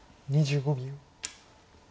２５秒。